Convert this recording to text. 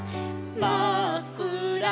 「まっくら